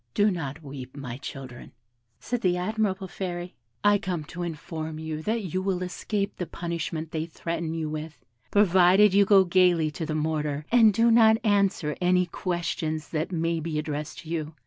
'Do not weep, my children,' said that admirable fairy; 'I come to inform you that you will escape the punishment they threaten you with, provided you go gaily to the mortar, and do not answer any questions that may be addressed to you.